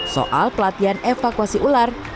soal pelatihan evakuasi ular